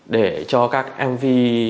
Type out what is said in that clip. để cho các mv